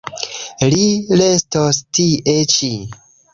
Li restos tie ĉi.